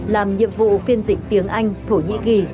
làm nhiệm vụ phiên dịch tiếng anh thổ nhĩ kỳ